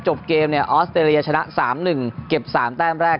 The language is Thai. จบเกมเนี่ยออสเตรเลียชนะ๓๑เก็บ๓แต้มแรก